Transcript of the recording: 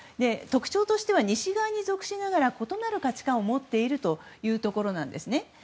特徴としては西側に属しながら異なる価値観を持っているというところなんですね。